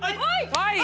はい！